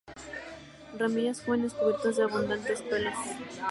Ramillas jóvenes cubiertas de abundantes pelos.